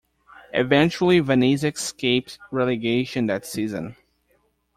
Eventually, Venezia escaped relegation that season.